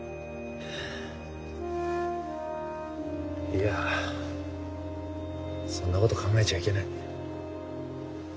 いやそんなこと考えちゃいけない。